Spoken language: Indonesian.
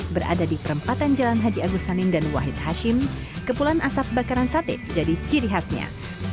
berada di perempatan jalan haji agus saning dan wahid hashim kepulan asap bakaran sate jadi ciri khasnya